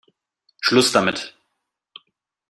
Schluss damit!